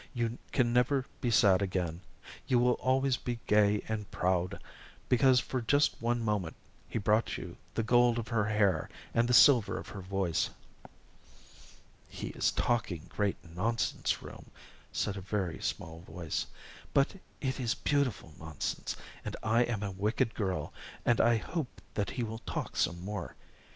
"You can never be sad again you will always be gay and proud because for just one moment he brought you the gold of her hair and the silver of her voice." "He is talking great nonsense, room," said a very small voice, "but it is beautiful nonsense, and I am a wicked girl, and I hope that he will talk some more.